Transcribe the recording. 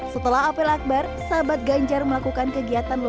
setelah apel akbar sahabat ganjar melakukan kegiatan